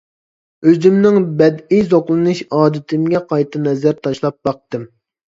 ئۆزۈمنىڭ بەدىئىي زوقلىنىش ئادىتىمگە قايتا نەزەر تاشلاپ باقتىم.